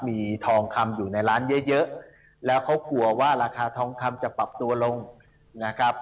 มีทองคำอยู่ในร้านเยอะเยอะแล้วเขากลัวว่าราคาทองคำจะปรับตัวลงนะครับ